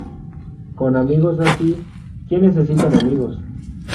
Con amigos así, ¿quién necesita enemigos?